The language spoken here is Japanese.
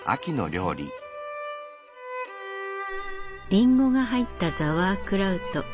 リンゴが入ったザワークラウト。